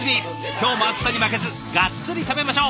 今日も暑さに負けずガッツリ食べましょう！